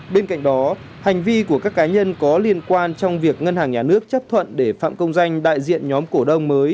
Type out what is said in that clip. bên cạnh đó hành vi của các cá nhân có liên quan trong việc ngân hàng nhà nước chấp thuận để phạm công danh đại diện nhóm cổ đông mới